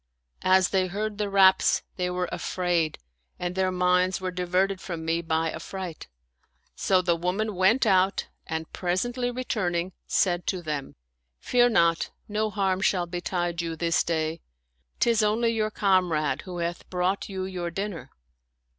As they heard the raps, they were afraid and their minds were diverted from me by affright; so the woman went out and presently returning, said to them, " Fear not ; no harm shall betide you this day. Tis only your comrade who hath brought you your dinner."